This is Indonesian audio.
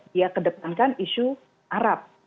dia kedepankan isu arab